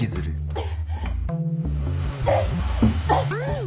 えっ？